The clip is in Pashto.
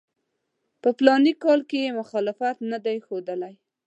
په فلاني کال کې یې مخالفت نه دی ښودلی.